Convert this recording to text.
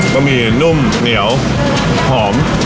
หมี่นุ่มเหนียวหอม